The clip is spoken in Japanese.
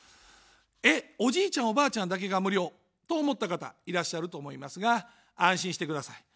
え、おじいちゃん、おばあちゃんだけが無料と思った方いらっしゃると思いますが安心してください。